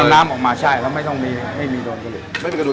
น้ำออกมาใช่แล้วไม่ต้องมีไม่มีดงกระดูกไม่มีกระดูก